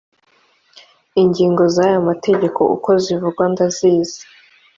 ingingo z’aya mategeko uko zivugwa ndazizi